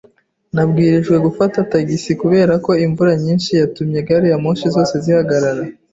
Nabwirijwe gufata tagisi kubera ko imvura nyinshi yatumye gariyamoshi zose zihagarara.